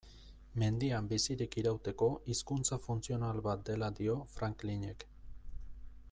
Mendian bizirik irauteko hizkuntza funtzional bat dela dio Franklinek.